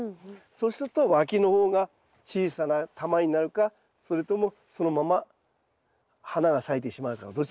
そうするとわきの方が小さな球になるかそれともそのまま花が咲いてしまうかのどちらかですね。